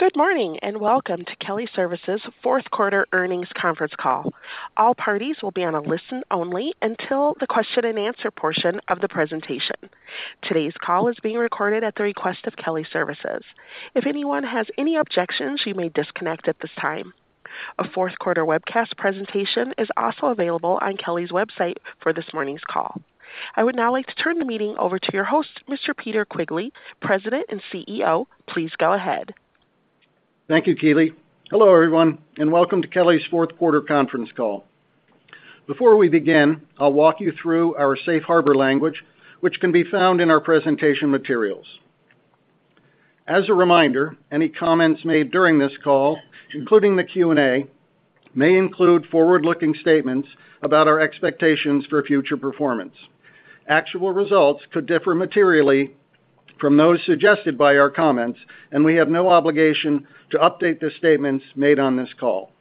Good morning and welcome to Kelly Services' fourth-quarter earnings conference call. All parties will be on a listen-only until the question-and-answer portion of the presentation. Today's call is being recorded at the request of Kelly Services. If anyone has any objections, you may disconnect at this time. A fourth-quarter webcast presentation is also available on Kelly's website for this morning's call. I would now like to turn the meeting over to your host, Mr. Peter Quigley, President and CEO. Please go ahead. Thank you, Keely. Hello everyone, and welcome to Kelly's fourth-quarter conference call. Before we begin, I'll walk you through our Safe Harbor language, which can be found in our presentation materials. As a reminder, any comments made during this call, including the Q&A, may include forward-looking statements about our expectations for future performance. Actual results could differ materially from those suggested by our comments, and we have no obligation to update the statements made on this call.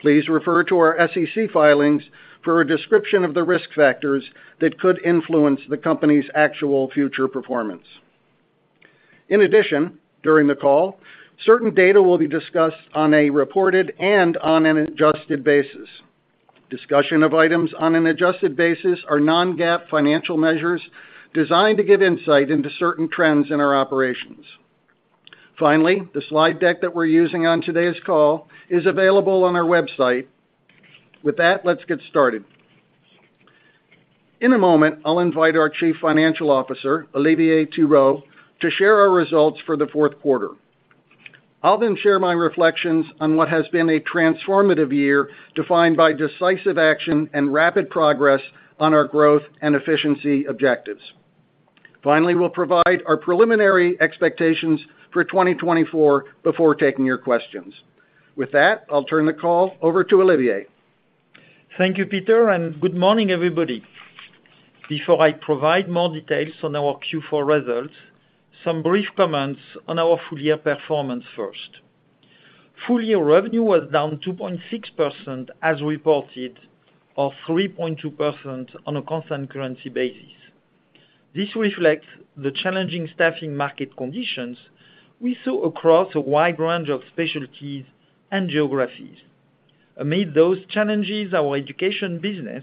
Please refer to our SEC filings for a description of the risk factors that could influence the company's actual future performance. In addition, during the call, certain data will be discussed on a reported and on an adjusted basis. Discussion of items on an adjusted basis are non-GAAP financial measures designed to give insight into certain trends in our operations. Finally, the slide deck that we're using on today's call is available on our website. With that, let's get started. In a moment, I'll invite our Chief Financial Officer, Olivier Thirot, to share our results for the fourth quarter. I'll then share my reflections on what has been a transformative year defined by decisive action and rapid progress on our growth and efficiency objectives. Finally, we'll provide our preliminary expectations for 2024 before taking your questions. With that, I'll turn the call over to Olivier. Thank you, Peter, and good morning everybody. Before I provide more details on our Q4 results, some brief comments on our full-year performance first. Full-year revenue was down 2.6% as reported, or 3.2% on a constant currency basis. This reflects the challenging staffing market conditions we saw across a wide range of specialties and geographies. Amid those challenges, our Education business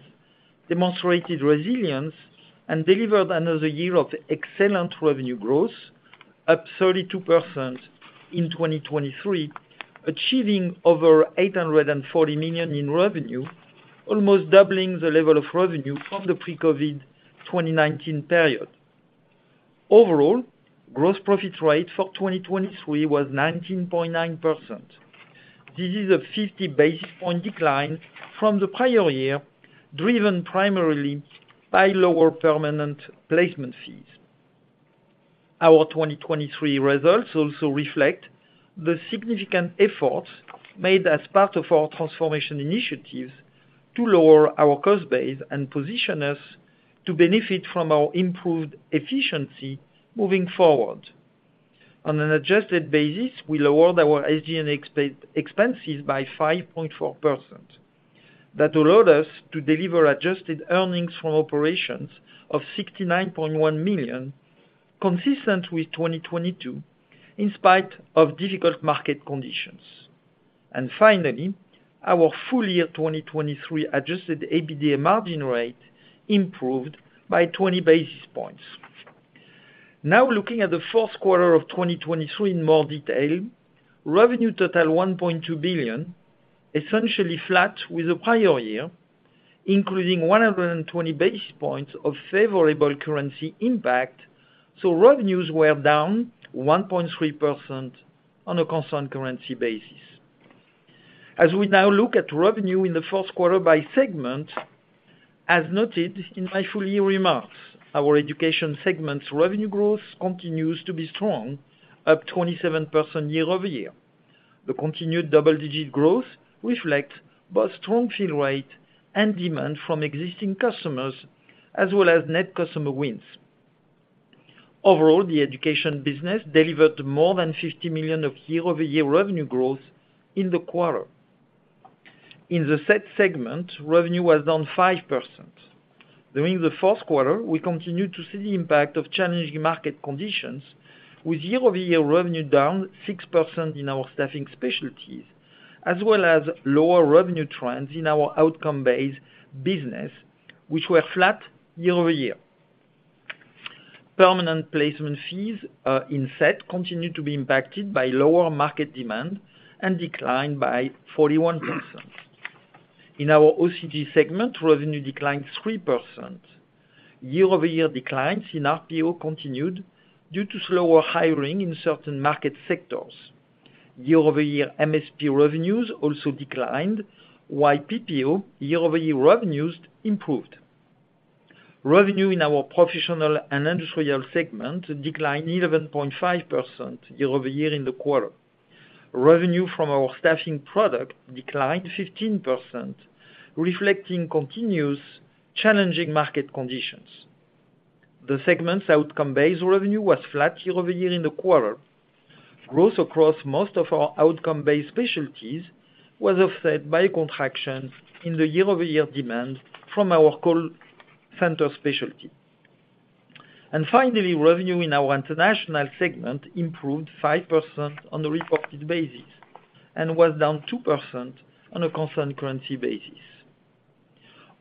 demonstrated resilience and delivered another year of excellent revenue growth, up 32% in 2023, achieving over $840 million in revenue, almost doubling the level of revenue from the pre-COVID-2019 period. Overall, gross profit rate for 2023 was 19.9%. This is a 50 basis point decline from the prior year, driven primarily by lower permanent placement fees. Our 2023 results also reflect the significant efforts made as part of our transformation initiatives to lower our cost base and position us to benefit from our improved efficiency moving forward. On an adjusted basis, we lowered our SG&A expenses by 5.4%. That allowed us to deliver adjusted earnings from operations of $69.1 million, consistent with 2022 in spite of difficult market conditions. Finally, our full-year 2023 adjusted EBITDA margin rate improved by 20 basis points. Now looking at the fourth quarter of 2023 in more detail, revenue total $1.2 billion, essentially flat with the prior year, including 120 basis points of favorable currency impact, so revenues were down 1.3% on a constant currency basis. As we now look at revenue in the fourth quarter by segment, as noted in my full-year remarks, our Education segment's revenue growth continues to be strong, up 27% year-over-year. The continued double-digit growth reflects both strong fill rate and demand from existing customers, as well as net customer wins. Overall, the Education business delivered more than $50 million of year-over-year revenue growth in the quarter. In the SET segment, revenue was down 5%. During the fourth quarter, we continued to see the impact of challenging market conditions, with year-over-year revenue down 6% in our staffing specialties, as well as lower revenue trends in our outcome-based business, which were flat year-over-year. Permanent placement fees in SET continued to be impacted by lower market demand and declined by 41%. In our OCG segment, revenue declined 3%. Year-over-year declines in RPO continued due to slower hiring in certain market sectors. Year-over-year MSP revenues also declined, while PPO year-over-year revenues improved. Revenue in our Professional & Industrial segment declined 11.5% year-over-year in the quarter. Revenue from our staffing product declined 15%, reflecting continuous challenging market conditions. The segment's outcome-based revenue was flat year-over-year in the quarter. Growth across most of our outcome-based specialties was offset by a contraction in the year-over-year demand from our call center specialty. Finally, revenue in our International segment improved 5% on a reported basis and was down 2% on a constant currency basis.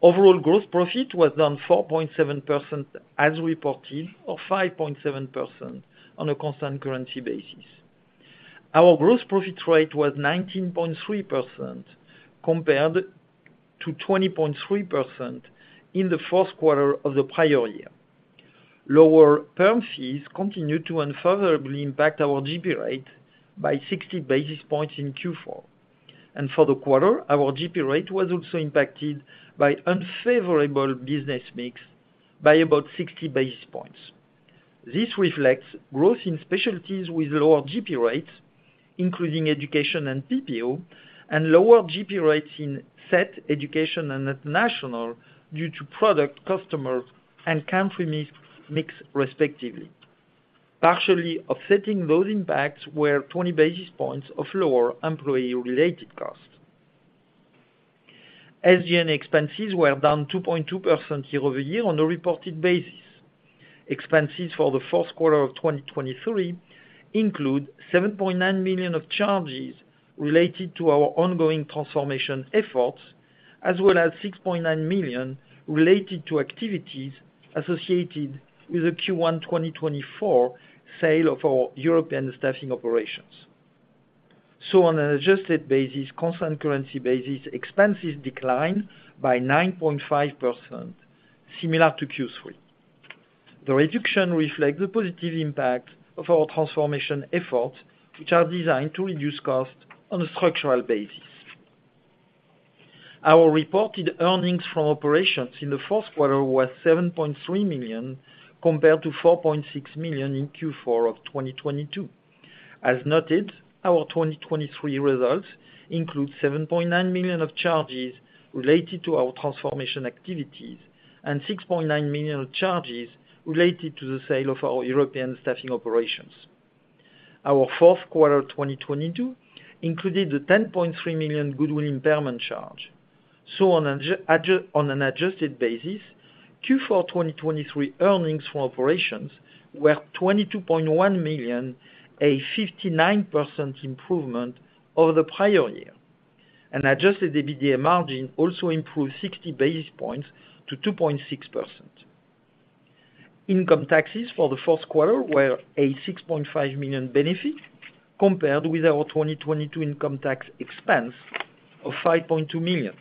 Overall gross profit was down 4.7% as reported, or 5.7% on a constant currency basis. Our gross profit rate was 19.3% compared to 20.3% in the fourth quarter of the prior year. Lower perm fees continued to unfavorably impact our GP rate by 60 basis points in Q4. For the quarter, our GP rate was also impacted by unfavorable business mix by about 60 basis points. This reflects growth in specialties with lower GP rates, including Education and PPO, and lower GP rates in SET, Education, and International due to product, customer, and country mix respectively, partially offsetting those impacts where 20 basis points of lower employee-related cost. SG&A expenses were down 2.2% year-over-year on a reported basis. Expenses for the fourth quarter of 2023 include $7.9 million of charges related to our ongoing transformation efforts, as well as $6.9 million related to activities associated with the Q1 2024 sale of our European staffing operations. So on an adjusted basis, constant currency basis expenses decline by 9.5%, similar to Q3. The reduction reflects the positive impact of our transformation efforts, which are designed to reduce costs on a structural basis. Our reported earnings from operations in the fourth quarter was $7.3 million compared to $4.6 million in Q4 of 2022. As noted, our 2023 results include $7.9 million of charges related to our transformation activities and $6.9 million of charges related to the sale of our European staffing operations. Our fourth quarter 2022 included the $10.3 million goodwill impairment charge. So on an adjusted basis, Q4 2023 earnings from operations were $22.1 million, a 59% improvement over the prior year. An adjusted EBITDA margin also improved 60 basis points to 2.6%. Income taxes for the fourth quarter were a $6.5 million benefit compared with our 2022 income tax expense of $5.2 million.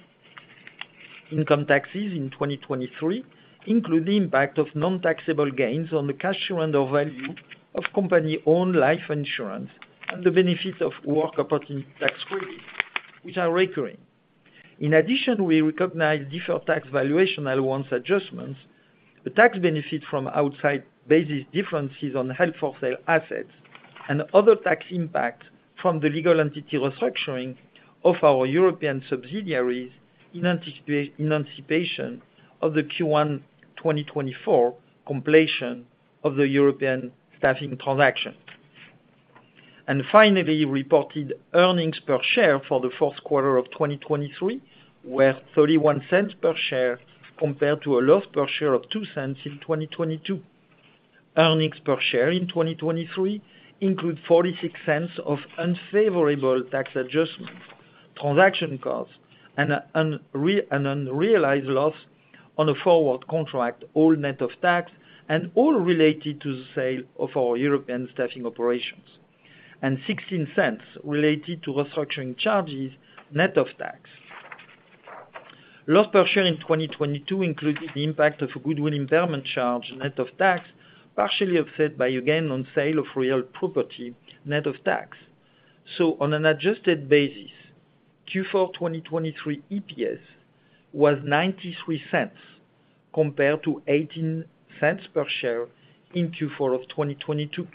Income taxes in 2023 include the impact of non-taxable gains on the cash surrender value of company-owned life insurance and the benefits of work opportunity tax credits, which are recurring. In addition, we recognize deferred tax valuation allowance adjustments, the tax benefit from outside basis differences on held-for-sale assets, and other tax impacts from the legal entity restructuring of our European subsidiaries in anticipation of the Q1 2024 completion of the European staffing transaction. Finally, reported earnings per share for the fourth quarter of 2023 were $0.31 per share compared to a loss per share of $0.02 in 2022. Earnings per share in 2023 include $0.46 of unfavorable tax adjustments, transaction costs, and an unrealized loss on a forward contract, all net of tax and all related to the sale of our European staffing operations, and $0.16 related to restructuring charges, net of tax. Loss per share in 2022 included the impact of a goodwill impairment charge, net of tax, partially offset by, a gain, on sale of real property, net of tax. So on an adjusted basis, Q4 2023 EPS was $0.93 compared to $0.18 per share in Q4 of 2022.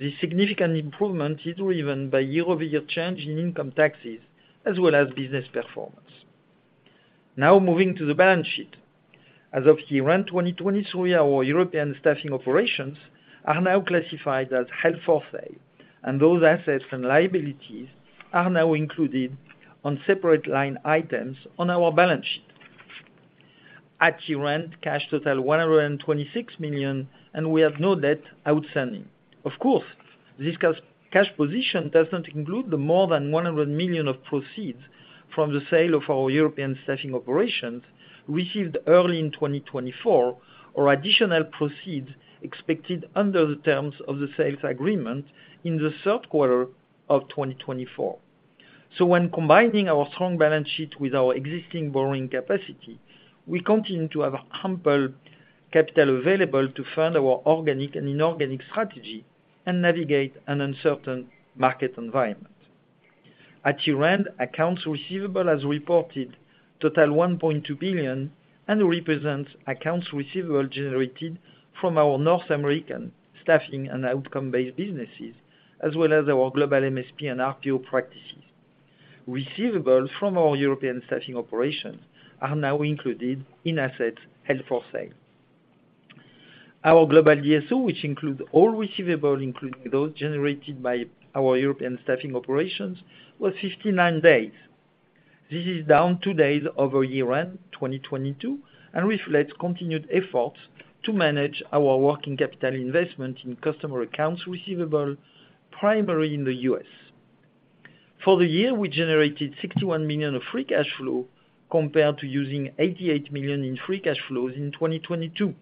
This significant improvement is driven by year-over-year change in income taxes as well as business performance. Now moving to the balance sheet. As of year-end 2023, our European staffing operations are now classified as held for sale, and those assets and liabilities are now included on separate line items on our balance sheet. At year-end, cash totaled $126 million, and we have no debt outstanding. Of course, this cash position does not include the more than $100 million of proceeds from the sale of our European staffing operations received early in 2024 or additional proceeds expected under the terms of the sales agreement in the third quarter of 2024. So when combining our strong balance sheet with our existing borrowing capacity, we continue to have ample capital available to fund our organic and inorganic strategy and navigate an uncertain market environment. At year-end, accounts receivable, as reported, total $1.2 billion and represents accounts receivable generated from our North American staffing and outcome-based businesses, as well as our global MSP and RPO practices. Receivables from our European staffing operations are now included in assets held for sale. Our global DSO, which includes all receivables, including those generated by our European staffing operations, was 59 days. This is down two days over year-end 2022 and reflects continued efforts to manage our working capital investment in customer accounts receivable, primarily in the U.S. For the year, we generated $61 million of free cash flow compared to using $88 million in free cash flows in 2022,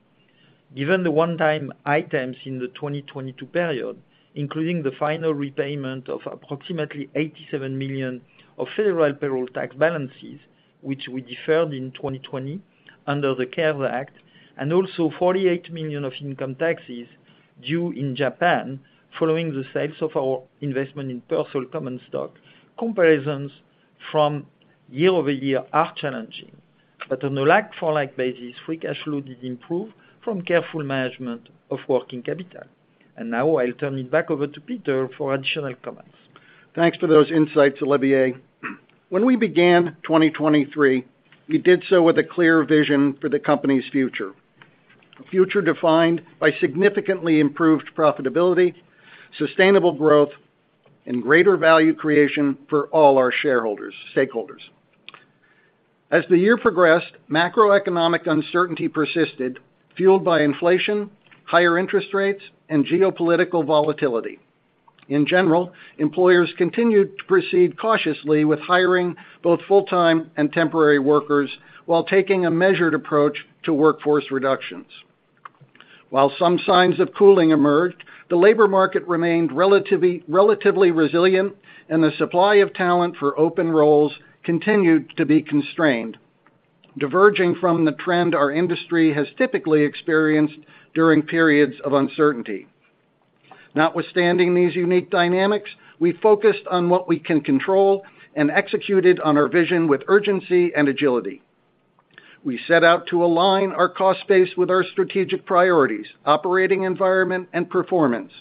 given the one-time items in the 2022 period, including the final repayment of approximately $87 million of federal payroll tax balances, which we deferred in 2020 under the CARES Act, and also $48 million of income taxes due in Japan following the sale of our investment in PERSOL common stock. Comparisons from year-over-year are challenging, but on a like-for-like basis, free cash flow did improve from careful management of working capital. Now I'll turn it back over to Peter for additional comments. Thanks for those insights, Olivier. When we began 2023, we did so with a clear vision for the company's future, a future defined by significantly improved profitability, sustainable growth, and greater value creation for all our shareholders, stakeholders. As the year progressed, macroeconomic uncertainty persisted, fueled by inflation, higher interest rates, and geopolitical volatility. In general, employers continued to proceed cautiously with hiring both full-time and temporary workers while taking a measured approach to workforce reductions. While some signs of cooling emerged, the labor market remained relatively resilient, and the supply of talent for open roles continued to be constrained, diverging from the trend our industry has typically experienced during periods of uncertainty. Notwithstanding these unique dynamics, we focused on what we can control and executed on our vision with urgency and agility. We set out to align our cost base with our strategic priorities, operating environment, and performance,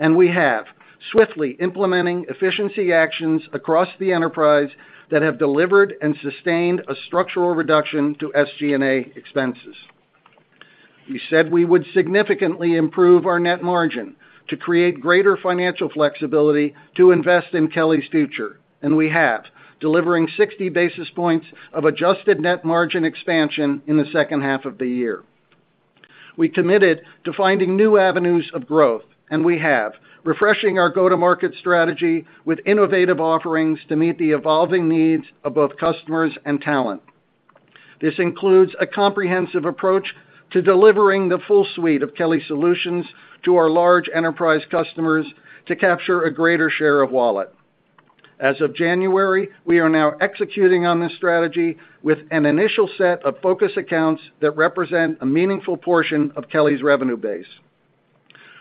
and we have, swiftly implementing efficiency actions across the enterprise that have delivered and sustained a structural reduction to SG&A expenses. We said we would significantly improve our net margin to create greater financial flexibility to invest in Kelly's future, and we have, delivering 60 basis points of adjusted net margin expansion in the second half of the year. We committed to finding new avenues of growth, and we have, refreshing our go-to-market strategy with innovative offerings to meet the evolving needs of both customers and talent. This includes a comprehensive approach to delivering the full suite of Kelly Solutions to our large enterprise customers to capture a greater share of wallet. As of January, we are now executing on this strategy with an initial set of focus accounts that represent a meaningful portion of Kelly's revenue base.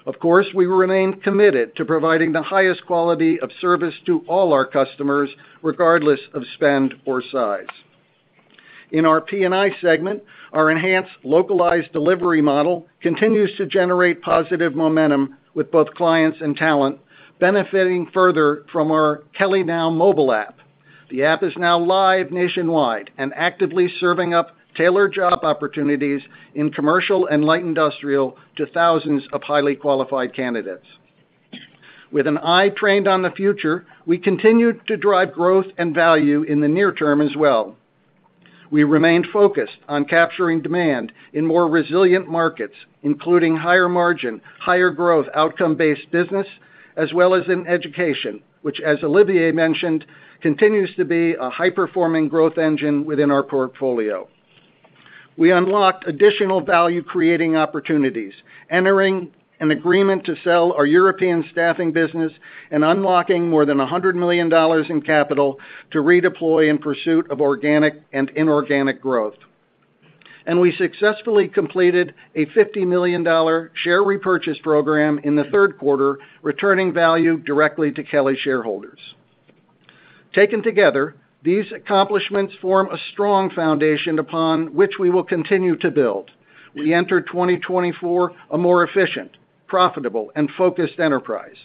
Of course, we remain committed to providing the highest quality of service to all our customers, regardless of spend or size. In our P&I segment, our enhanced localized delivery model continues to generate positive momentum with both clients and talent, benefiting further from our Kelly Now mobile app. The app is now live nationwide and actively serving up tailored job opportunities in commercial and light industrial to thousands of highly qualified candidates. With an eye trained on the future, we continue to drive growth and value in the near term as well. We remain focused on capturing demand in more resilient markets, including higher margin, higher growth, outcome-based business, as well as in Education, which, as Olivier mentioned, continues to be a high-performing growth engine within our portfolio. We unlocked additional value-creating opportunities, entering an agreement to sell our European staffing business and unlocking more than $100 million in capital to redeploy in pursuit of organic and inorganic growth. We successfully completed a $50 million share repurchase program in the third quarter, returning value directly to Kelly shareholders. Taken together, these accomplishments form a strong foundation upon which we will continue to build. We enter 2024 a more efficient, profitable, and focused enterprise,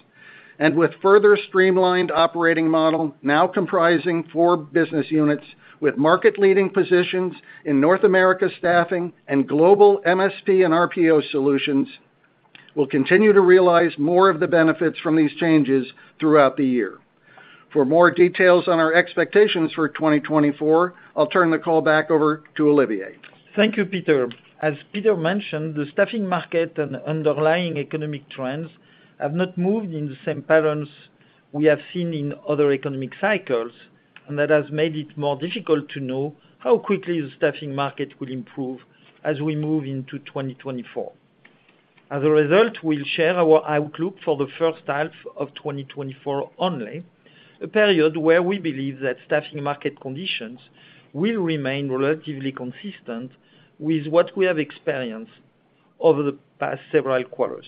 and with further streamlined operating model now comprising four business units with market-leading positions in North America staffing and global MSP and RPO solutions, we'll continue to realize more of the benefits from these changes throughout the year. For more details on our expectations for 2024, I'll turn the call back over to Olivier. Thank you, Peter. As Peter mentioned, the staffing market and underlying economic trends have not moved in the same patterns we have seen in other economic cycles, and that has made it more difficult to know how quickly the staffing market will improve as we move into 2024. As a result, we'll share our outlook for the first half of 2024 only, a period where we believe that staffing market conditions will remain relatively consistent with what we have experienced over the past several quarters.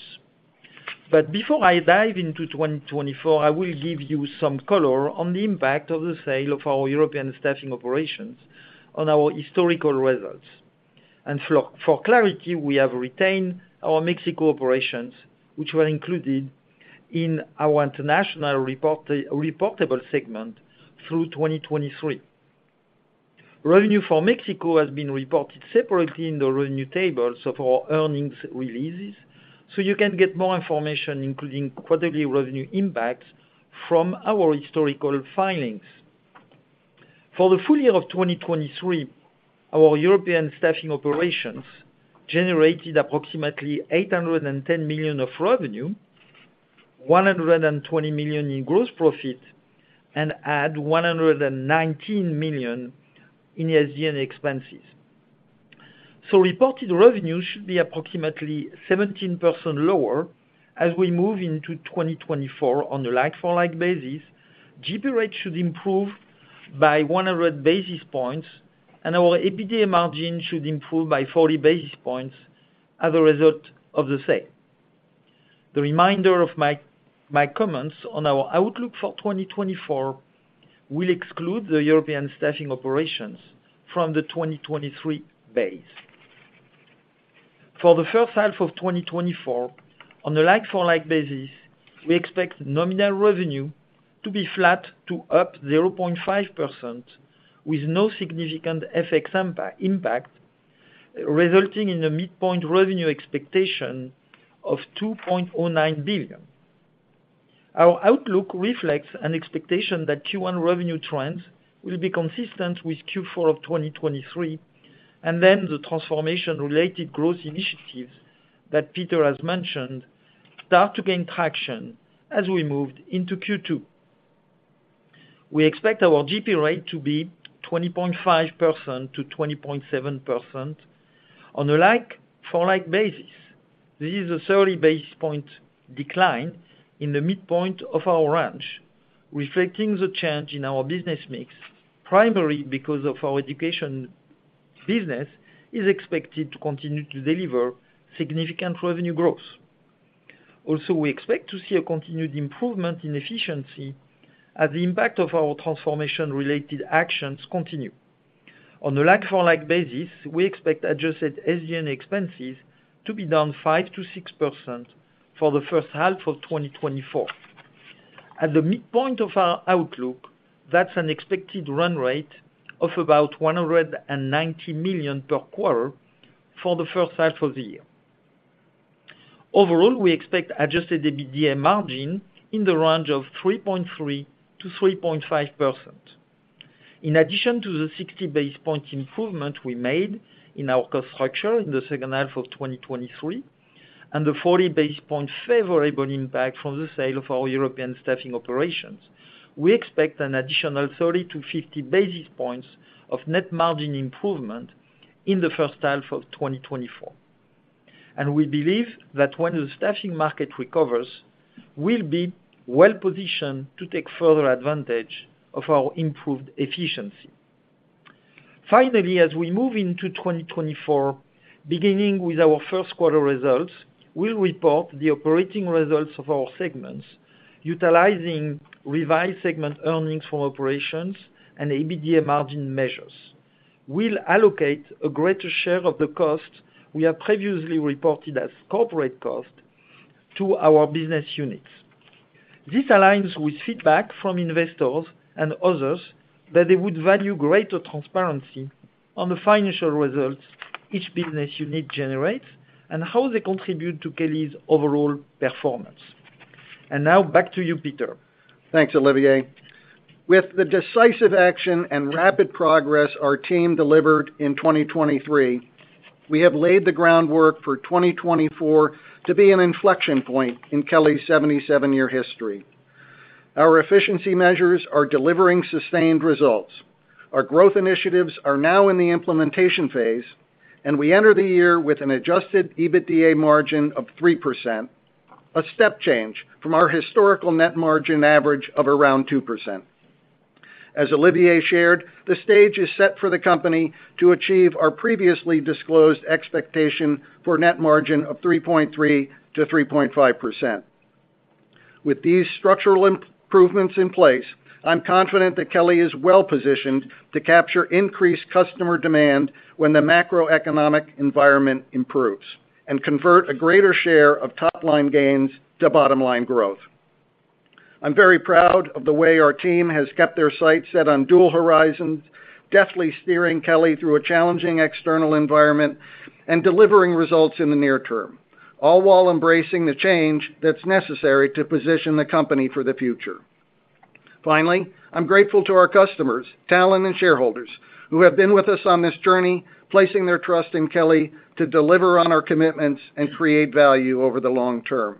But before I dive into 2024, I will give you some color on the impact of the sale of our European staffing operations on our historical results. And for clarity, we have retained our Mexico operations, which were included in our international reportable segment through 2023. Revenue for Mexico has been reported separately in the revenue tables of our earnings releases, so you can get more information, including quarterly revenue impacts, from our historical filings. For the full year of 2023, our European staffing operations generated approximately $810 million of revenue, $120 million in gross profit, and add $119 million in SG&A expenses. So reported revenue should be approximately 17% lower as we move into 2024 on a like-for-like basis. GP rate should improve by 100 basis points, and our EBITDA margin should improve by 40 basis points as a result of the sale. The remainder of my comments on our outlook for 2024 will exclude the European staffing operations from the 2023 base. For the first half of 2024, on a like-for-like basis, we expect nominal revenue to be flat to up 0.5% with no significant FX impact, resulting in a midpoint revenue expectation of $2.09 billion. Our outlook reflects an expectation that Q1 revenue trends will be consistent with Q4 of 2023, and then the transformation-related gross initiatives that Peter has mentioned start to gain traction as we move into Q2. We expect our GP rate to be 20.5%-20.7% on a like-for-like basis. This is a 30 basis point decline in the midpoint of our range, reflecting the change in our business mix, primarily because our Education business is expected to continue to deliver significant revenue growth. Also, we expect to see a continued improvement in efficiency as the impact of our transformation-related actions continue. On a like-for-like basis, we expect adjusted SG&A expenses to be down 5%-6% for the first half of 2024. At the midpoint of our outlook, that's an expected run rate of about $190 million per quarter for the first half of the year. Overall, we expect adjusted EBITDA margin in the range of 3.3%-3.5%. In addition to the 60 basis point improvement we made in our cost structure in the second half of 2023 and the 40 basis point favorable impact from the sale of our European staffing operations, we expect an additional 30-50 basis points of net margin improvement in the first half of 2024. We believe that when the staffing market recovers, we'll be well positioned to take further advantage of our improved efficiency. Finally, as we move into 2024, beginning with our first quarter results, we'll report the operating results of our segments, utilizing revised segment earnings from operations and EBITDA margin measures. We'll allocate a greater share of the cost we have previously reported as corporate cost to our business units. This aligns with feedback from investors and others that they would value greater transparency on the financial results each business unit generates and how they contribute to Kelly's overall performance. And now back to you, Peter. Thanks, Olivier. With the decisive action and rapid progress our team delivered in 2023, we have laid the groundwork for 2024 to be an inflection point in Kelly's 77-year history. Our efficiency measures are delivering sustained results. Our growth initiatives are now in the implementation phase, and we enter the year with an adjusted EBITDA margin of 3%, a step change from our historical net margin average of around 2%. As Olivier shared, the stage is set for the company to achieve our previously disclosed expectation for net margin of 3.3%-3.5%. With these structural improvements in place, I'm confident that Kelly is well positioned to capture increased customer demand when the macroeconomic environment improves and convert a greater share of top-line gains to bottom-line growth. I'm very proud of the way our team has kept their sights set on dual horizons, deftly steering Kelly through a challenging external environment and delivering results in the near term, all while embracing the change that's necessary to position the company for the future. Finally, I'm grateful to our customers, talent, and shareholders who have been with us on this journey, placing their trust in Kelly to deliver on our commitments and create value over the long term.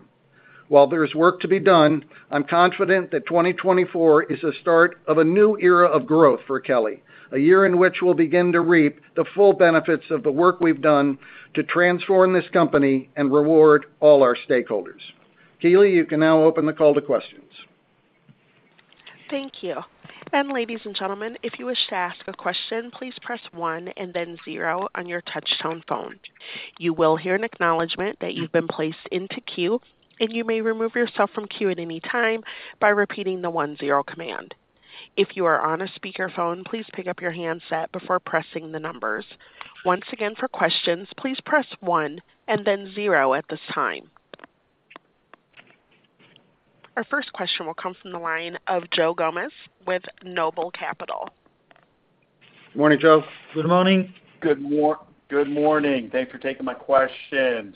While there is work to be done, I'm confident that 2024 is the start of a new era of growth for Kelly, a year in which we'll begin to reap the full benefits of the work we've done to transform this company and reward all our stakeholders. Keely, you can now open the call to questions. Thank you. And ladies and gentlemen, if you wish to ask a question, please press one and then zero on your touch-tone phone. You will hear an acknowledgment that you've been placed into queue, and you may remove yourself from queue at any time by repeating the one zero command. If you are on a speakerphone, please pick up your handset before pressing the numbers. Once again, for questions, please press one and then zero at this time. Our first question will come from the line of Joe Gomes with Noble Capital. Morning, Joe. Good morning. Good morning. Thanks for taking my questions.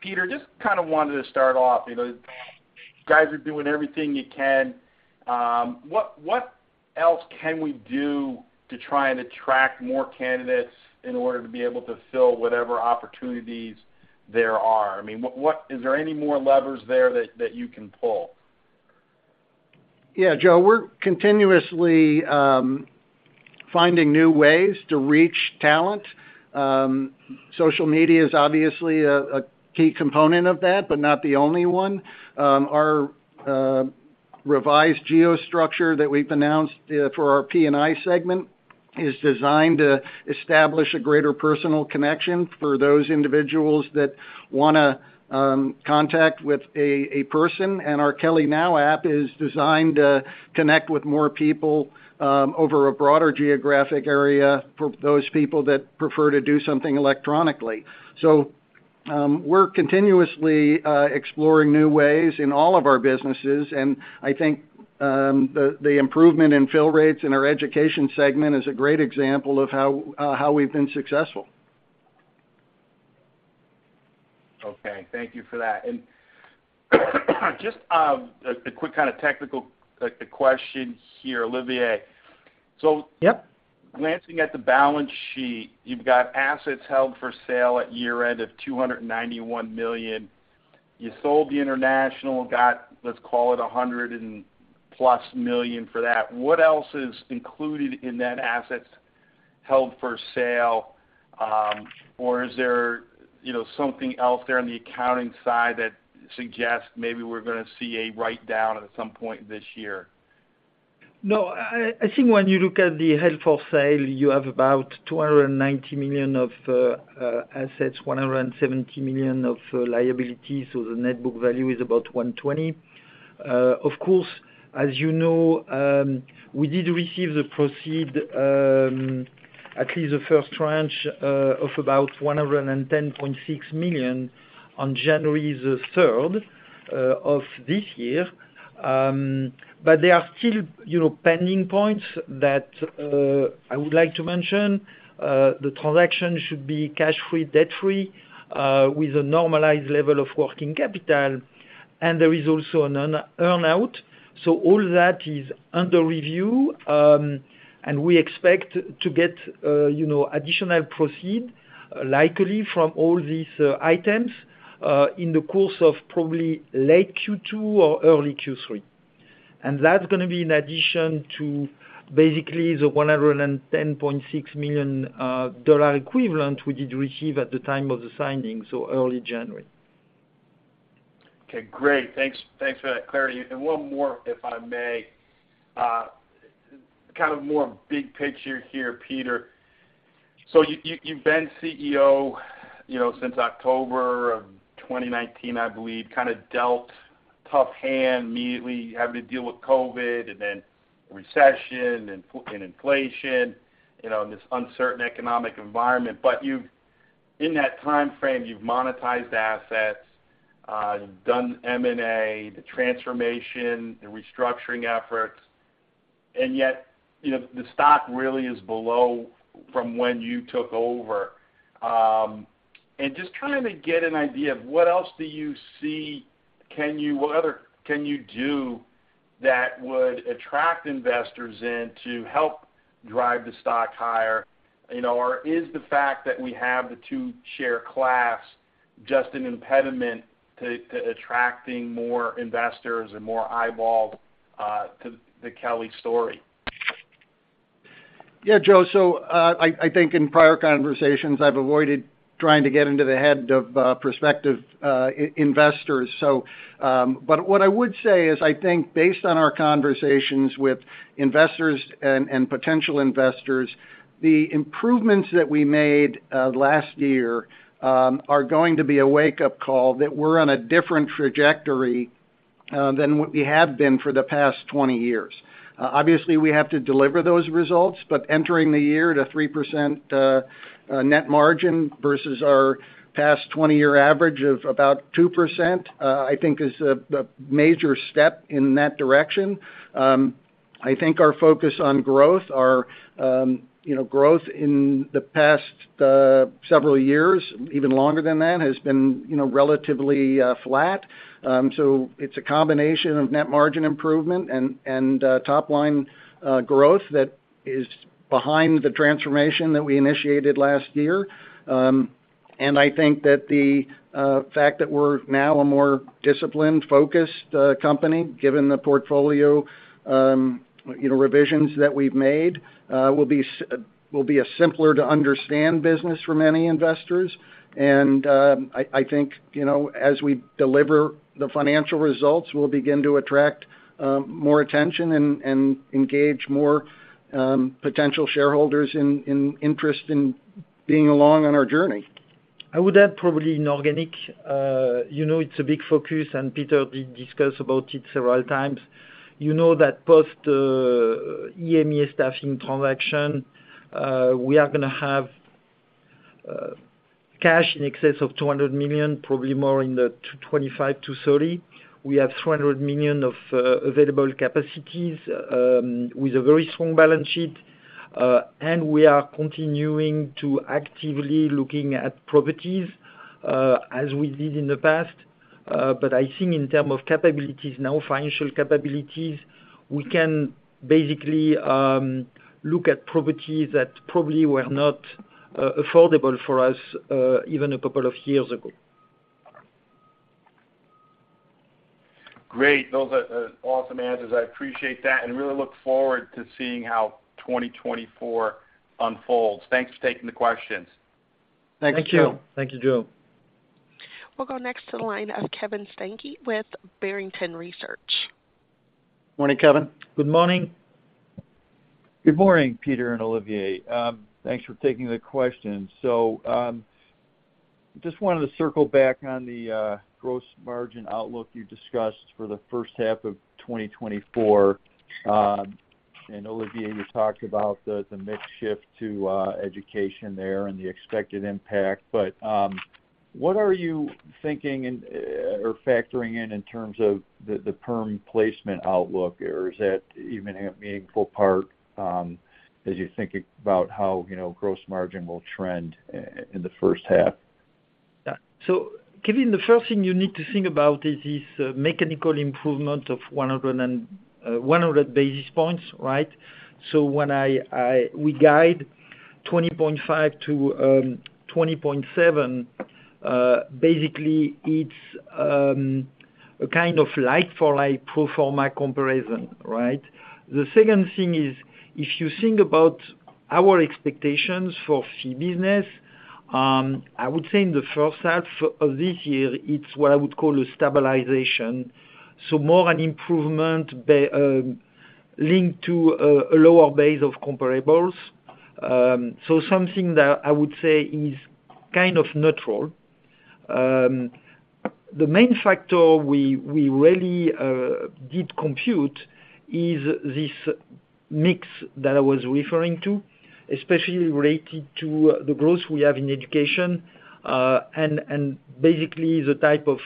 Peter, just kind of wanted to start off. You guys are doing everything you can. What else can we do to try and attract more candidates in order to be able to fill whatever opportunities there are? I mean, is there any more levers there that you can pull? Yeah, Joe. We're continuously finding new ways to reach talent. Social media is obviously a key component of that, but not the only one. Our revised geostructure that we've announced for our P&I segment is designed to establish a greater personal connection for those individuals that want to contact with a person, and our Kelly Now app is designed to connect with more people over a broader geographic area for those people that prefer to do something electronically. So we're continuously exploring new ways in all of our businesses, and I think the improvement in fill rates in our Education segment is a great example of how we've been successful. Okay. Thank you for that. And just a quick kind of technical question here, Olivier. Yup. So glancing at the balance sheet, you've got assets held for sale at year-end of $291 million. You sold the international, got, let's call it, $100+ million for that. What else is included in that assets held for sale, or is there something else there on the accounting side that suggests maybe we're going to see a write-down at some point this year? No. I think when you look at the held for sale, you have about $290 million of assets, $170 million of liabilities, so the net book value is about $120 million. Of course, as you know, we did receive the proceeds, at least the first tranche, of about $110.6 million on January the 3rd of this year. But there are still pending points that I would like to mention. The transaction should be cash-free, debt-free, with a normalized level of working capital, and there is also an earnout. So all that is under review, and we expect to get additional proceeds, likely, from all these items in the course of probably late Q2 or early Q3. That's going to be in addition to, basically, the $110.6 million equivalent we did receive at the time of the signing, so early January. Okay. Great. Thanks for that, clarity. And one more, if I may, kind of more big picture here, Peter. So you've been CEO since October of 2019, I believe, kind of dealt a tough hand immediately, having to deal with COVID and then recession and inflation and this uncertain economic environment. But in that time frame, you've monetized assets, you've done M&A, the transformation, the restructuring efforts, and yet the stock really is below from when you took over. And just trying to get an idea of what else do you see can you what other can you do that would attract investors in to help drive the stock higher? Or is the fact that we have the two-share class just an impediment to attracting more investors and more eyeballs to the Kelly story? Yeah, Joe. So I think in prior conversations, I've avoided trying to get into the head of prospective investors. But what I would say is, I think, based on our conversations with investors and potential investors, the improvements that we made last year are going to be a wake-up call that we're on a different trajectory than what we have been for the past 20 years. Obviously, we have to deliver those results, but entering the year at a 3% net margin versus our past 20-year average of about 2%, I think, is a major step in that direction. I think our focus on growth, our growth in the past several years, even longer than that, has been relatively flat. So it's a combination of net margin improvement and top-line growth that is behind the transformation that we initiated last year. And I think that the fact that we're now a more disciplined, focused company, given the portfolio revisions that we've made, will be a simpler-to-understand business for many investors. And I think as we deliver the financial results, we'll begin to attract more attention and engage more potential shareholders in interest in being along on our journey. I would add, probably in organic, it's a big focus, and Peter did discuss about it several times. That post-EMEA staffing transaction, we are going to have cash in excess of $200 million, probably more in the $225 million-$230 million. We have $300 million of available capacities with a very strong balance sheet, and we are continuing to actively looking at properties as we did in the past. I think in terms of capabilities now, financial capabilities, we can basically look at properties that probably were not affordable for us even a couple of years ago. Great. Those are awesome answers. I appreciate that and really look forward to seeing how 2024 unfolds. Thanks for taking the questions. Thank you. Thank you, Joe. We'll go next to the line of Kevin Steinke with Barrington Research. Morning, Kevin. Good morning. Good morning, Peter and Olivier. Thanks for taking the question. So just wanted to circle back on the gross margin outlook you discussed for the first half of 2024. Olivier, you talked about the mix shift to Education there and the expected impact. But what are you thinking or factoring in in terms of the perm placement outlook, or is that even a meaningful part as you think about how gross margin will trend in the first half? So Kevin, the first thing you need to think about is this mechanical improvement of 100 basis points, right? So when we guide 20.5%-20.7%, basically, it's a kind of like-for-like pro forma comparison, right? The second thing is, if you think about our expectations for fee business, I would say in the first half of this year, it's what I would call a stabilization, so more an improvement linked to a lower base of comparables. So something that I would say is kind of neutral. The main factor we really did compute is this mix that I was referring to, especially related to the growth we have in Education and basically the type of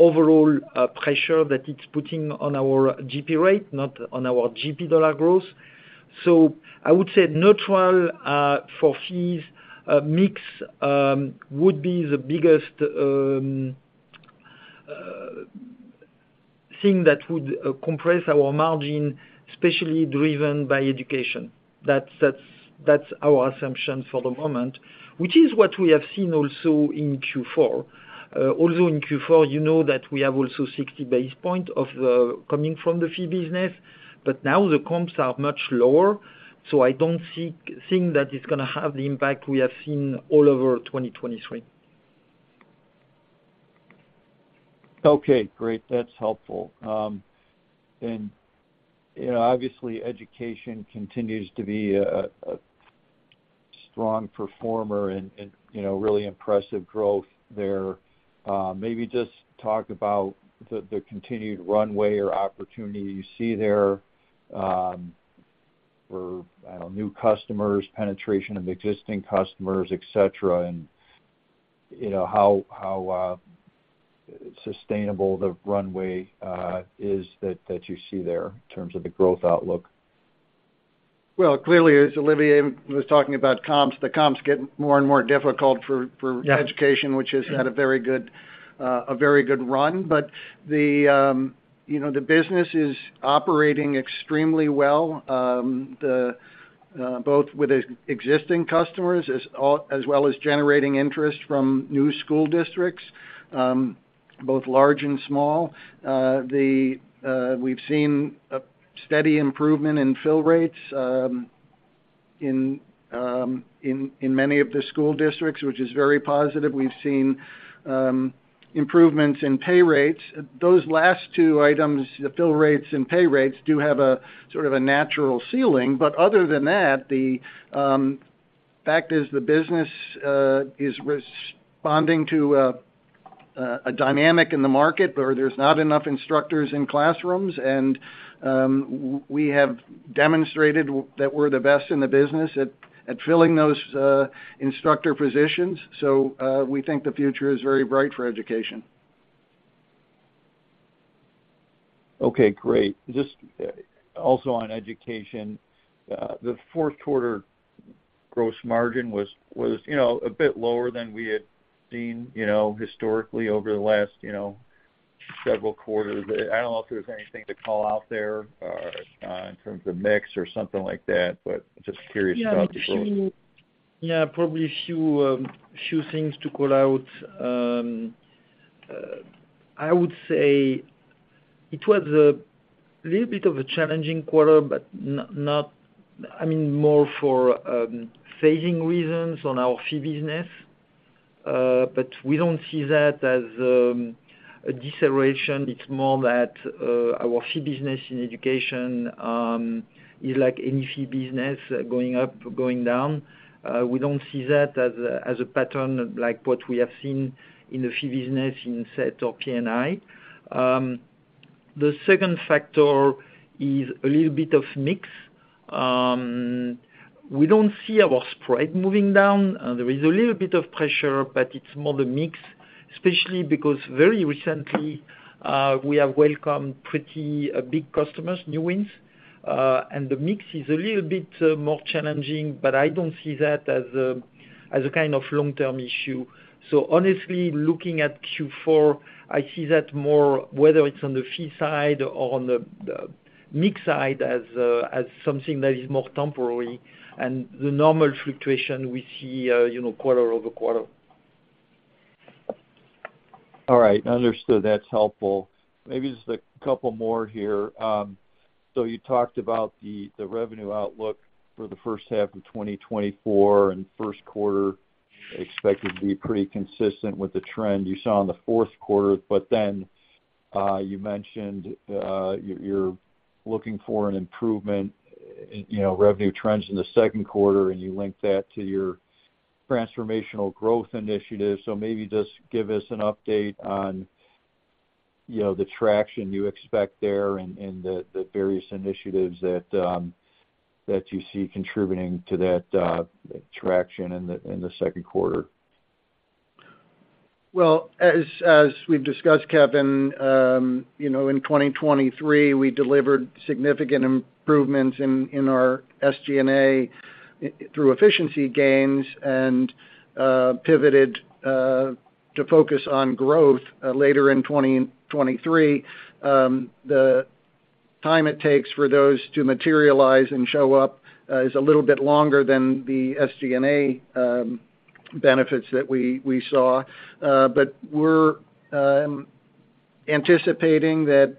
overall pressure that it's putting on our GP rate, not on our GP dollar growth. So I would say neutral for fees mix would be the biggest thing that would compress our margin, especially driven by Education. That's our assumption for the moment, which is what we have seen also in Q4. Although in Q4, you know that we have also 60 basis points coming from the fee business, but now the comps are much lower. So I don't think that it's going to have the impact we have seen all over 2023. Okay. Great. That's helpful. And obviously, Education continues to be a strong performer and really impressive growth there. Maybe just talk about the continued runway or opportunity you see there for, I don't know, new customers, penetration of existing customers, etc., and how sustainable the runway is that you see there in terms of the growth outlook. Well, clearly, as Olivier was talking about comps, the comps get more and more difficult for Education, which has had a very good run. But the business is operating extremely well, both with existing customers as well as generating interest from new school districts, both large and small. We've seen a steady improvement in fill rates in many of the school districts, which is very positive. We've seen improvements in pay rates. Those last two items, the fill rates and pay rates, do have sort of a natural ceiling. But other than that, the fact is the business is responding to a dynamic in the market where there's not enough instructors in classrooms, and we have demonstrated that we're the best in the business at filling those instructor positions. So we think the future is very bright for Education. Okay. Great. Just also on Education, the fourth-quarter gross margin was a bit lower than we had seen historically over the last several quarters. I don't know if there's anything to call out there in terms of mix or something like that, but just curious about the growth. Yeah. Probably a few things to call out. I would say it was a little bit of a challenging quarter, but I mean, more for phasing reasons on our fee business. But we don't see that as a deceleration. It's more that our fee business in Education is like any fee business, going up, going down. We don't see that as a pattern like what we have seen in the fee business in SET or P&I. The second factor is a little bit of mix. We don't see our spread moving down. There is a little bit of pressure, but it's more the mix, especially because very recently, we have welcomed pretty big customers, new wins. And the mix is a little bit more challenging, but I don't see that as a kind of long-term issue. So honestly, looking at Q4, I see that more, whether it's on the fee side or on the mix side, as something that is more temporary and the normal fluctuation we see quarter-over-quarter. All right. Understood. That's helpful. Maybe just a couple more here. So you talked about the revenue outlook for the first half of 2024 and first quarter expected to be pretty consistent with the trend you saw in the fourth quarter. But then you mentioned you're looking for an improvement in revenue trends in the second quarter, and you linked that to your transformational growth initiative. So maybe just give us an update on the traction you expect there and the various initiatives that you see contributing to that traction in the second quarter. Well, as we've discussed, Kevin, in 2023, we delivered significant improvements in our SG&A through efficiency gains and pivoted to focus on growth later in 2023. The time it takes for those to materialize and show up is a little bit longer than the SG&A benefits that we saw. But we're anticipating that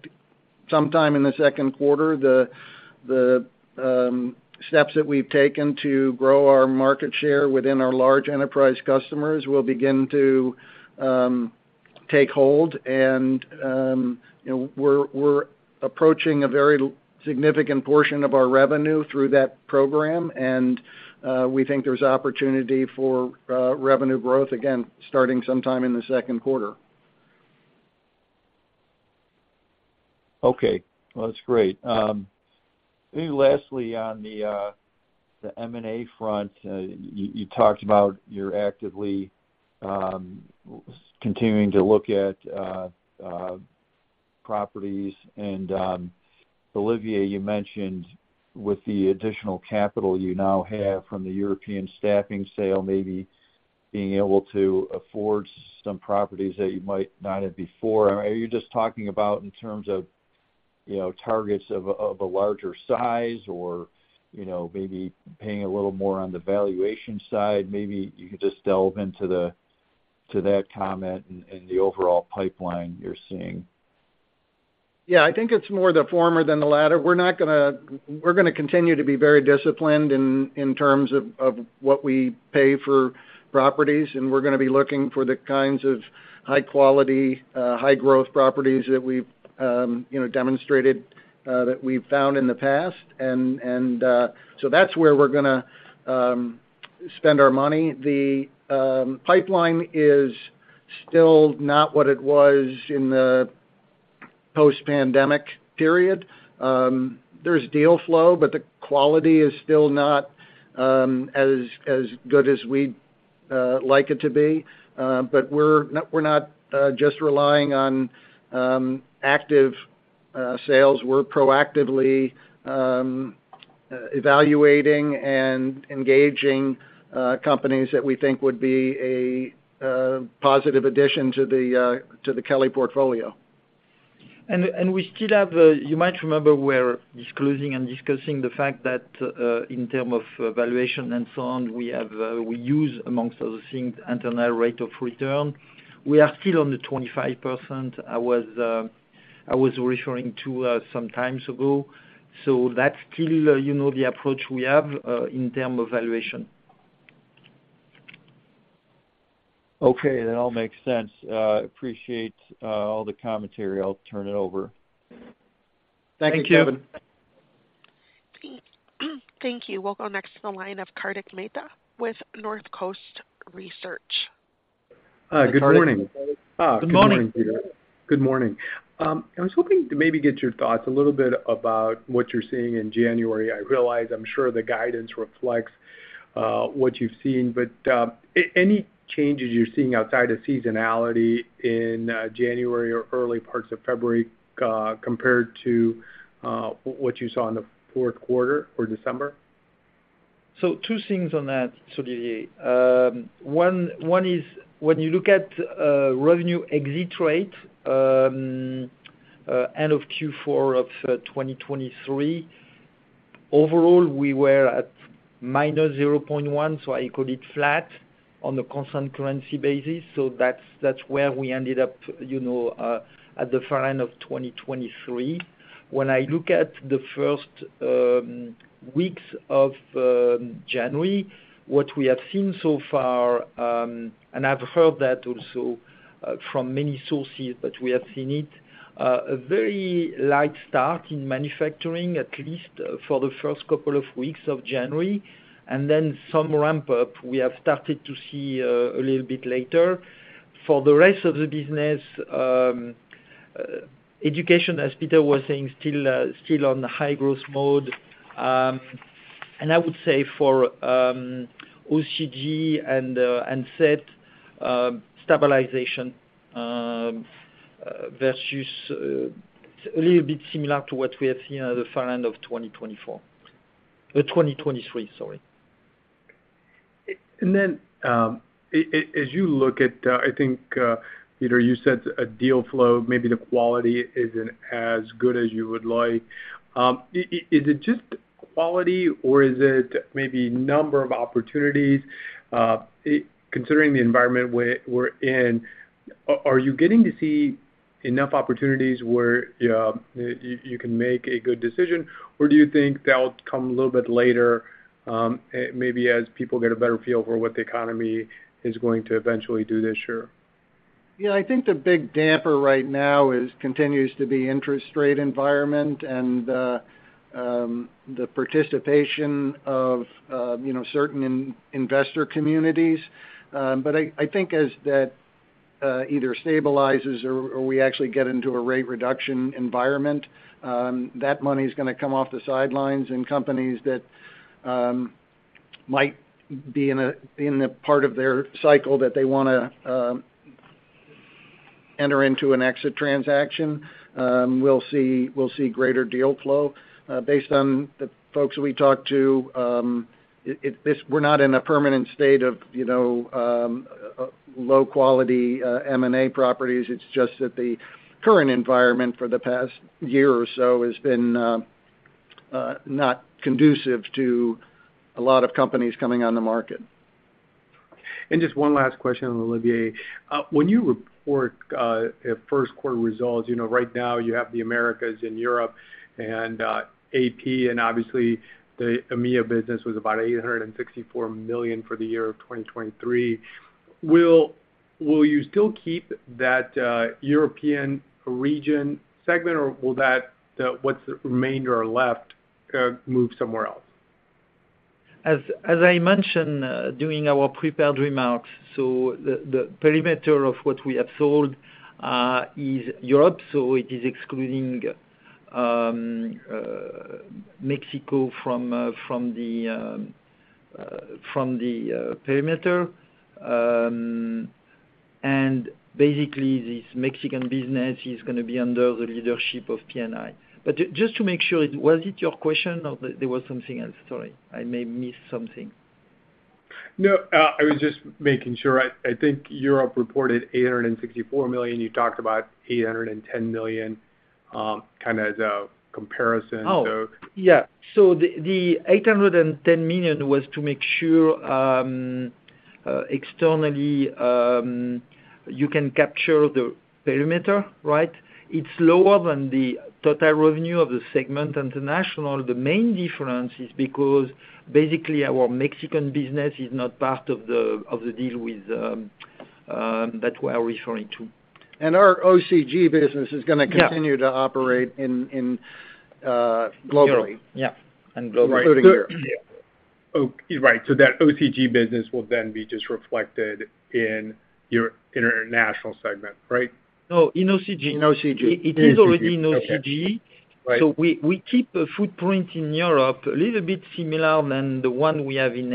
sometime in the second quarter, the steps that we've taken to grow our market share within our large enterprise customers will begin to take hold. And we're approaching a very significant portion of our revenue through that program, and we think there's opportunity for revenue growth, again, starting sometime in the second quarter. Okay. Well, that's great. Maybe lastly, on the M&A front, you talked about you're actively continuing to look at properties. And Olivier, you mentioned with the additional capital you now have from the European staffing sale, maybe being able to afford some properties that you might not have before. Are you just talking about in terms of targets of a larger size or maybe paying a little more on the valuation side? Maybe you could just delve into that comment and the overall pipeline you're seeing. Yeah. I think it's more the former than the latter. We're going to continue to be very disciplined in terms of what we pay for properties, and we're going to be looking for the kinds of high-quality, high-growth properties that we've demonstrated that we've found in the past. And so that's where we're going to spend our money. The pipeline is still not what it was in the post-pandemic period. There's deal flow, but the quality is still not as good as we'd like it to be. But we're not just relying on active sales. We're proactively evaluating and engaging companies that we think would be a positive addition to the Kelly portfolio. And we still have you might remember we were disclosing and discussing the fact that in terms of valuation and so on, we use amongst other things internal rate of return. We are still on the 25% I was referring to some times ago. So that's still the approach we have in terms of valuation. Okay. That all makes sense. Appreciate all the commentary. I'll turn it over. Thank you. Thank you, Kevin. Thank you. We'll go next to the line of Kartik Mehta with Northcoast Research. Good morning. Good morning. Good morning, Peter. Good morning. I was hoping to maybe get your thoughts a little bit about what you're seeing in January. I realize, I'm sure, the guidance reflects what you've seen. But any changes you're seeing outside of seasonality in January or early parts of February compared to what you saw in the fourth quarter or December? So two things on that. One is when you look at revenue exit rate, end of Q4 of 2023, overall, we were at -0.1%. So I call it flat on the constant currency basis. So that's where we ended up at the front end of 2023. When I look at the first weeks of January, what we have seen so far and I've heard that also from many sources, but we have seen a very light start in manufacturing, at least for the first couple of weeks of January, and then some ramp-up we have started to see a little bit later. For the rest of the business, Education, as Peter was saying, still on high-growth mode. And I would say for OCG and SET, stabilization versus it's a little bit similar to what we have seen at the front end of 2024, 2023, sorry. And then as you look at, I think, Peter, you said a deal flow, maybe the quality isn't as good as you would like. Is it just quality, or is it maybe number of opportunities? Considering the environment we're in, are you getting to see enough opportunities where you can make a good decision, or do you think that will come a little bit later, maybe as people get a better feel for what the economy is going to eventually do this year? Yeah. I think the big damper right now continues to be interest rate environment and the participation of certain investor communities. But I think as that either stabilizes or we actually get into a rate reduction environment, that money is going to come off the sidelines in companies that might be in the part of their cycle that they want to enter into an exit transaction. We'll see greater deal flow. Based on the folks we talked to, we're not in a permanent state of low-quality M&A properties. It's just that the current environment for the past year or so has been not conducive to a lot of companies coming on the market. And just one last question, Olivier. When you report first-quarter results, right now, you have the Americas and Europe and AP, and obviously, the EMEA business was about $864 million for the year of 2023. Will you still keep that European region segment, or will what's remainder left move somewhere else? As I mentioned during our prepared remarks, so the perimeter of what we have sold is Europe. So it is excluding Mexico from the perimeter. And basically, this Mexican business is going to be under the leadership of P&I. But just to make sure, was it your question, or there was something else? Sorry. I may have missed something. No. I was just making sure. I think Europe reported $864 million. You talked about $810 million kind of as a comparison, so. Yeah. So the $810 million was to make sure externally you can capture the perimeter, right? It's lower than the total revenue of the International segment. The main difference is because basically, our Mexican business is not part of the deal that we are referring to. And our OCG business is going to continue to operate globally. Yeah. And globally. Including Europe. Right. So that OCG business will then be just reflected in your international segment, right? No. In OCG. In OCG. In OCG? Okay. It is already in OCG. Right. So we keep a footprint in Europe a little bit similar than the one we have in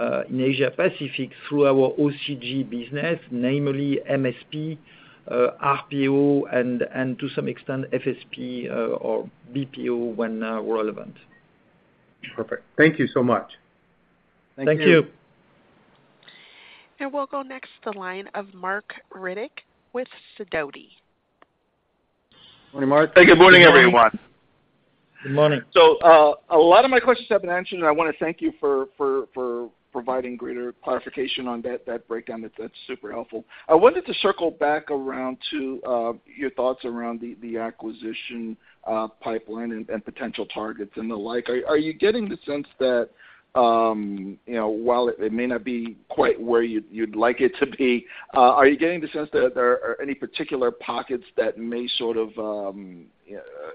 Asia-Pacific through our OCG business, namely MSP, RPO, and to some extent, FSP or BPO when relevant. Perfect. Thank you so much. Thank you. Thank you. And we'll go next to the line of Marc Riddick with Sidoti. Morning, Marc. Thank you. Good morning, everyone. Good morning. Good morning. So a lot of my questions have been answered, and I want to thank you for providing greater clarification on that breakdown. That's super helpful. I wanted to circle back around to your thoughts around the acquisition pipeline and potential targets and the like. Are you getting the sense that while it may not be quite where you'd like it to be, are you getting the sense that there are any particular pockets that may sort of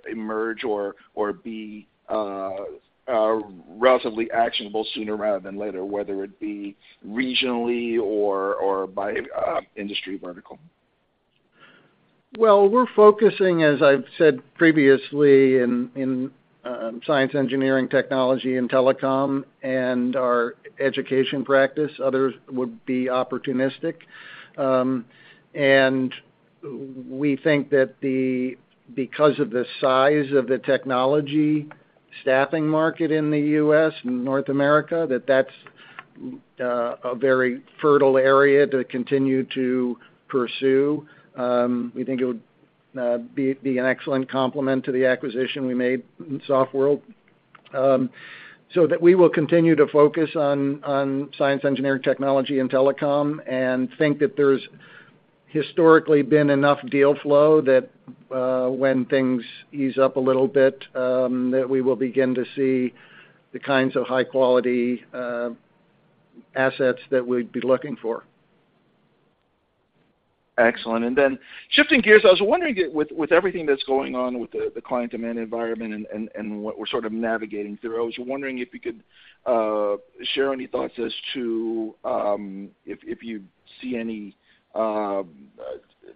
emerge or be relatively actionable sooner rather than later, whether it be regionally or by industry vertical? Well, we're focusing, as I've said previously, in science, engineering, technology, and telecom and our Education practice. Others would be opportunistic. We think that because of the size of the technology staffing market in the U.S. and North America, that that's a very fertile area to continue to pursue. We think it would be an excellent complement to the acquisition we made in Softworld. So that we will continue to focus on science, engineering, technology, and telecom and think that there's historically been enough deal flow that when things ease up a little bit, that we will begin to see the kinds of high-quality assets that we'd be looking for. Excellent. And then shifting gears, I was wondering with everything that's going on with the client-demand environment and what we're sort of navigating through, I was wondering if you could share any thoughts as to if you see any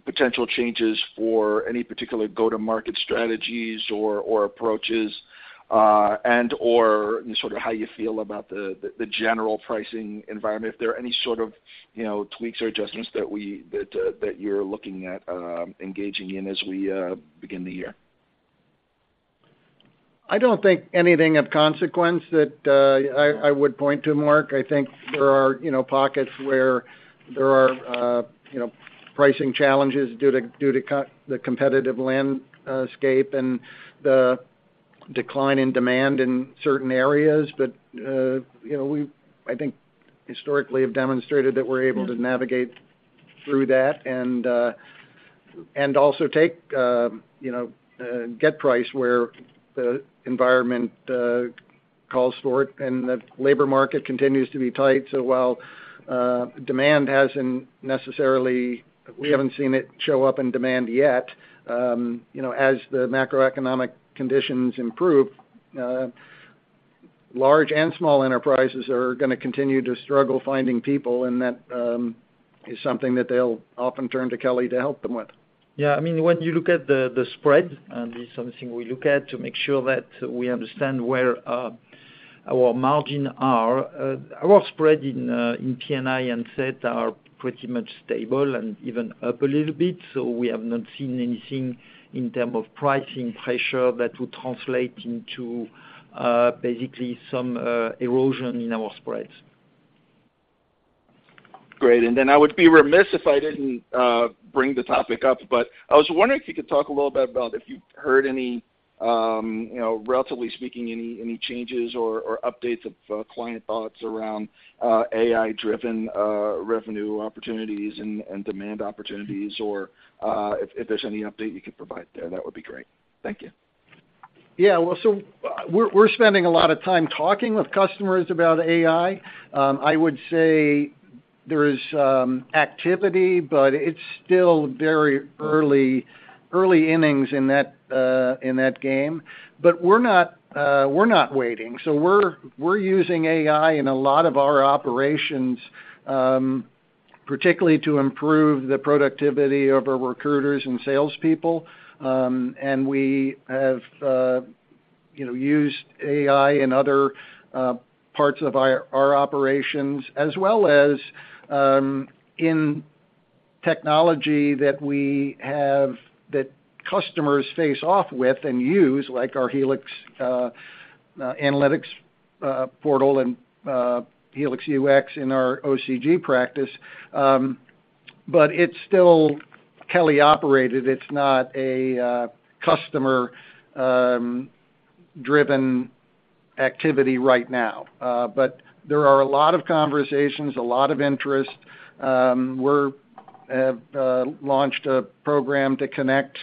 potential changes for any particular go-to-market strategies or approaches and/or sort of how you feel about the general pricing environment, if there are any sort of tweaks or adjustments that you're looking at engaging in as we begin the year? I don't think anything of consequence that I would point to, Marc. I think there are pockets where there are pricing challenges due to the competitive landscape and the decline in demand in certain areas. But we, I think, historically have demonstrated that we're able to navigate through that and also get price where the environment calls for it. And the labor market continues to be tight. So while demand hasn't necessarily, we haven't seen it show up in demand yet. As the macroeconomic conditions improve, large and small enterprises are going to continue to struggle finding people, and that is something that they'll often turn to Kelly to help them with. Yeah. I mean, when you look at the spread, and this is something we look at to make sure that we understand where our margins are, our spread in P&I and SET are pretty much stable and even up a little bit. So we have not seen anything in terms of pricing pressure that would translate into basically some erosion in our spreads. Great. And then I would be remiss if I didn't bring the topic up, but I was wondering if you could talk a little bit about if you've heard any relatively speaking, any changes or updates of client thoughts around AI-driven revenue opportunities and demand opportunities, or if there's any update you could provide there, that would be great? Thank you. Yeah. Well, so we're spending a lot of time talking with customers about AI. I would say there is activity, but it's still very early innings in that game. But we're not waiting. So we're using AI in a lot of our operations, particularly to improve the productivity of our recruiters and salespeople. And we have used AI in other parts of our operations, as well as in technology that customers face off with and use, like our Helix Analytics portal and Helix UX in our OCG practice. But it's still Kelly-operated. It's not a customer-driven activity right now. But there are a lot of conversations, a lot of interest. We've launched a program to connect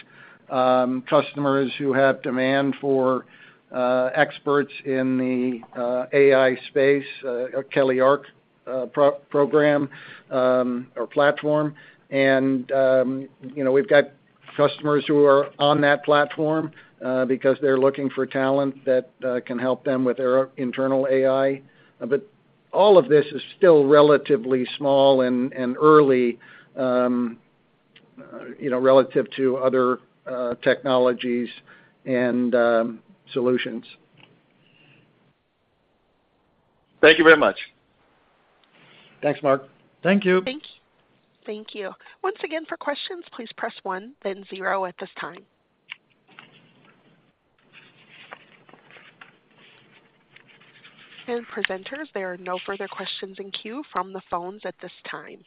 customers who have demand for experts in the AI space, Kelly Arc program or platform. And we've got customers who are on that platform because they're looking for talent that can help them with their internal AI. But all of this is still relatively small and early relative to other technologies and solutions. Thank you very much. Thanks, Marc. Thank you. Thank you. Once again, for questions, please press one, then zero at this time. And presenters, there are no further questions in queue from the phones at this time.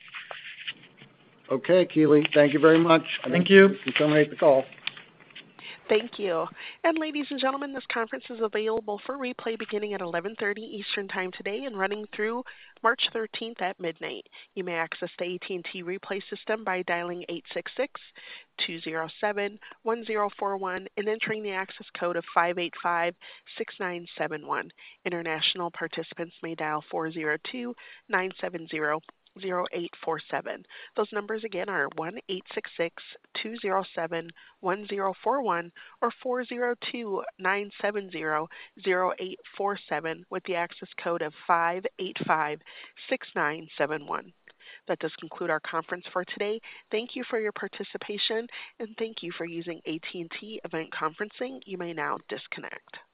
Okay, Keely. Thank you very much. Thank you. And you can terminate the call. Thank you. Ladies and gentlemen, this conference is available for replay beginning at 11:30 A.M. Eastern Time today and running through March 13th at midnight. You may access the AT&T replay system by dialing eight six six two zero seven one zero four one and entering the access code of five eight five six nine seven one. International participants may dial four zero two nine seven zero zero eight four seven. Those numbers, again, are one eight six six two zero seven one zero four one or four zero two nine seven zero zero eight four seven with the access code of five eight five six nine seven one. That does conclude our conference for today. Thank you for your participation, and thank you for using AT&T Event Conferencing. You may now disconnect.